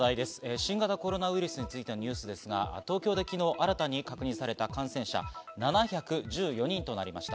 新型コロナウイルスについてのニュースですが、東京で昨日新たに確認された感染者７１４人となりました。